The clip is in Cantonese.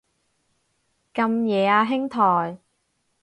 咁夜啊兄台